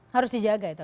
harus dijaga ya